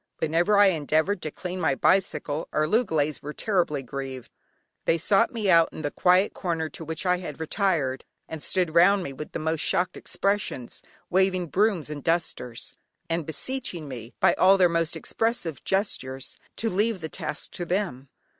Whenever I endeavoured to clean my bicycle, our loogalays were terribly grieved. They sought me out in the quiet corner to which I had retired, and stood round me with the most shocked expressions, waving brooms and dusters, and beseeching me by all their most expressive gestures to leave the task to them.